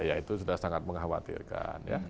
ya itu sudah sangat mengkhawatirkan